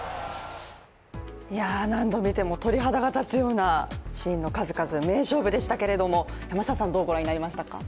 何度見ても鳥肌が立つようなシーンの数々、名勝負でしたけど、山下さん、どうご覧になりましたか？